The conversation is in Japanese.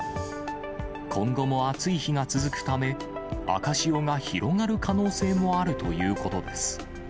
今後も暑い日が続くため、赤潮が広がる可能性もあるということです。